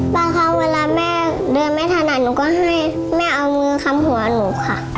บางครั้งเวลาแม่เดินไม่ทันหนูก็ให้แม่เอามือคำหัวหนูค่ะ